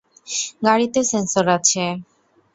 গাড়িতে সেন্সর আছে।